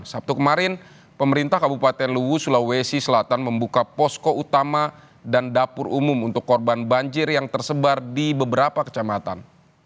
sabtu kemarin pemerintah kabupaten luwu sulawesi selatan membuka posko utama dan dapur umum untuk korban banjir yang tersebar di beberapa kecamatan